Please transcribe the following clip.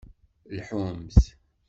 Lḥumt!